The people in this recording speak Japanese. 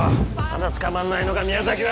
まだつかまんないのか宮崎は！